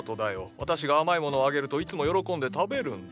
私が甘いものをあげるといつも喜んで食べるんだ。